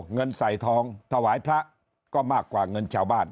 เงินใส่ทองถวายพระก็มากกว่าเงินชาวบ้าน